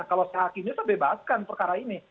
kalau sehak ini saya bebaskan perkara ini